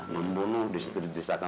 membunuh disitu disana